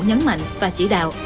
nhấn mạnh và chỉ đạo